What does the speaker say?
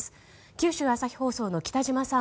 九州朝日放送の北島さん